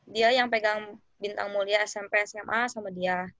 dia yang pegang bintang mulia smp sma sama dia